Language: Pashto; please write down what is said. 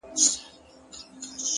هوښیار انسان له وخت نه دوست جوړوي